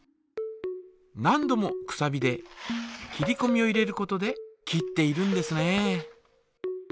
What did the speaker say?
何度もくさびで切りこみを入れることで切っているんですね。